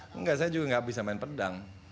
tidak saya juga tidak bisa main pedang